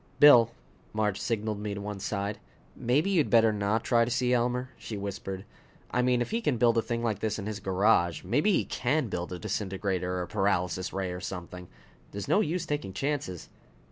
"Bill!" Marge signaled me to one side. "Maybe you'd better not try to see Elmer," she whispered. "I mean, if he can build a thing like this in his garage, maybe he can build a disintegrator or a paralysis ray or something. There's no use taking chances."